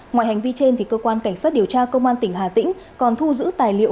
ngoài hành vi trên cơ quan cảnh sát điều tra công an tỉnh hà tĩnh còn thu giữ tài liệu